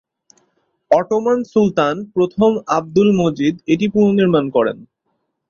Ottoman সুলতান প্রথম আবদুল মজিদ এটি পুনঃনির্মাণ করেন।